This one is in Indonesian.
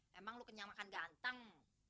memang lu kenyang makan ganteng